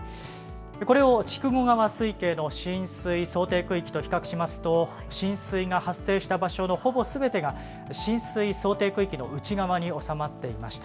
これを筑後川水系の浸水想定区域と比較しますと浸水が発生した場所のほぼすべてが浸水想定区域の内側に収まっていました。